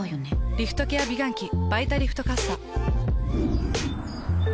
リフトケア美顔器「バイタリフトかっさ」。